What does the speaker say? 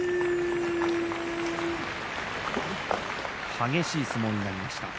激しい相撲になりました。